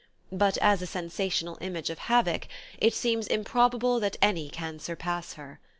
But as a sensational image of havoc it seems improbable that any can surpass her.